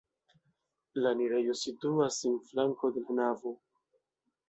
La enirejo situas en flanko de la navo.